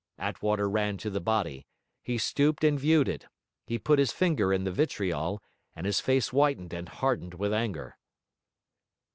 Attwater ran to the body; he stooped and viewed it; he put his finger in the vitriol, and his face whitened and hardened with anger.